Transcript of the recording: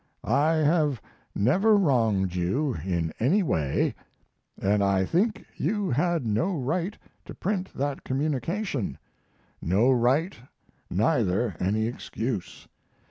I have never wronged you in any way, and I think you had no right to print that communication; no right, neither any excuse.